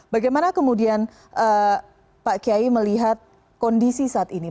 bagaimana kemudian pak kiai melihat kondisi saat ini